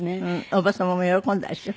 伯母様も喜んだでしょ？